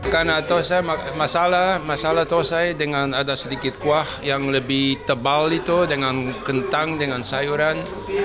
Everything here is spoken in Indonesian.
karena tosai masalah masalah tosai dengan ada sedikit kuah yang lebih tebal itu dengan kentang dengan sayuran